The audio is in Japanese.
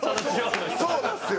そうなんですよ！